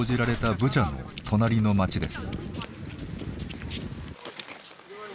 ブチャの隣の町です。